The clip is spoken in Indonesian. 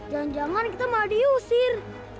jangan jangan kita malah diusir